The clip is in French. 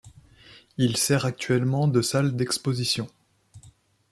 Il sert actuellement de salle d'exposition.